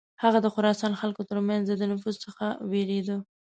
هغه د خراسان خلکو تر منځ د ده نفوذ څخه ویرېده.